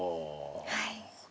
はい。